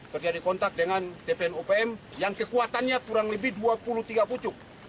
terjadi kontak dengan tpn opm yang kekuatannya kurang lebih dua puluh tiga pucuk